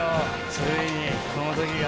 ついにこの時が。